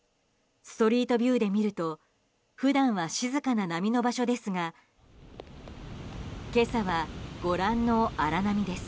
ストリートビューで見ると普段は静かな波の場所ですが今朝はご覧の荒波です。